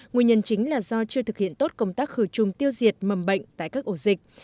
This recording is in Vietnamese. nguyên nhân chính là do chưa thực hiện tốt công tác khử trùng tiêu diệt mầm bệnh tại các ổ dịch